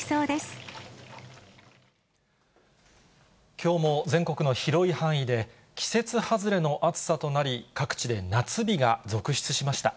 きょうも全国の広い範囲で、季節外れの暑さとなり、各地で夏日が続出しました。